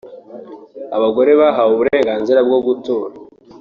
abagore bahawe uburenganzira bwo gutora